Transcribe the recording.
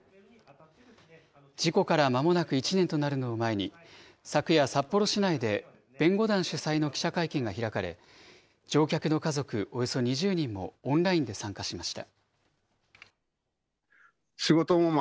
事故からまもなく１年となるのを前に、昨夜、札幌市内で弁護団主催の記者会見が開かれ、乗客の家族およそ２０人もオンラインで参加しました。